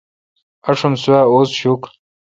آݭم سوا اوز شوکھ۔